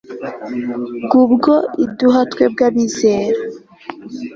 g ubwo iduha twebwe abizera